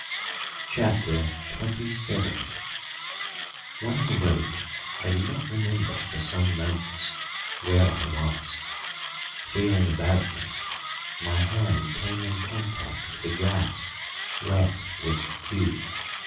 CHAPTER XXVII When I woke I did not remember for some moments where I was. Feeling about me, my hand came in contact with the grass wet with dew.